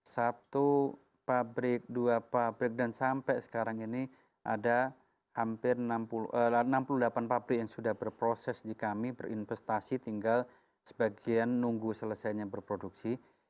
satu pabrik dua pabrik dan sampai sekarang ini ada hampir enam puluh delapan pabrik yang sudah berproses di kami berinvestasi tinggal sebagian nunggu selesainya berproduksi